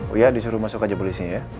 oh ya disuruh masuk aja polisi ya